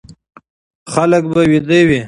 خلک به ويده وي،